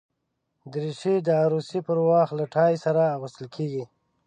دریشي د عروسي پر وخت له ټای سره اغوستل کېږي.